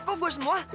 eh kok gue semua